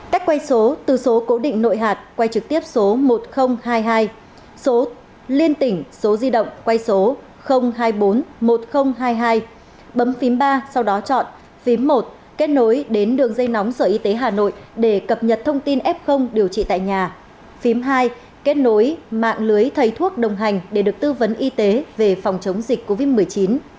cách quay số từ số cố định nội hạt quay trực tiếp số một nghìn hai mươi hai số liên tỉnh số di động quay số hai trăm bốn mươi một nghìn hai mươi hai bấm phím ba sau đó chọn phím một kết nối đến đường dây nóng sở y tế hà nội để cập nhật thông tin f điều trị tại nhà phím hai kết nối mạng lưới thầy thuốc đồng hành để được tư vấn y tế về phòng chống dịch covid một mươi chín